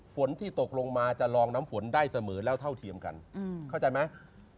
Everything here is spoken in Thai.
ฝนที่ตกลงมาจะลองน้ำฝนได้เสมอแล้วเท่าเทียมกันเข้าใจไหม